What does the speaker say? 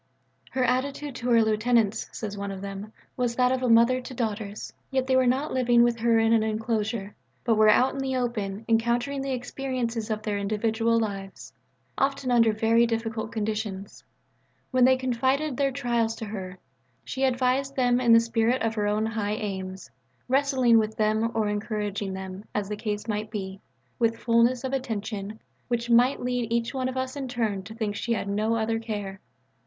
"Her attitude to her lieutenants," says one of them, "was that of a mother to daughters. Yet they were not living with her in an enclosure, but were out in the open encountering the experiences of their individual lives, often under very difficult conditions. When they confided their trials to her, she advised them in the spirit of her own high aims, wrestling with them or encouraging them, as the case might be, with fulness of attention, which might lead each one of us in turn to think that she had no other care."